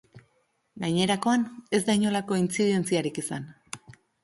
Gainerakoan, ez da inolako intzidentziarik izan.